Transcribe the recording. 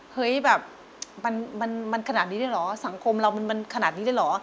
เฮ้ยแบบมันขนาดนี้ด้วยเหรอสังคมเรามันขนาดนี้ด้วยเหรอ